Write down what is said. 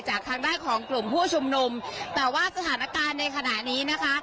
จากทางด้านของกลุ่มผู้ชุมนุมแต่ว่าสถานการณ์ในขณะนี้นะคะ